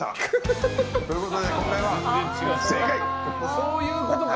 そういうことか！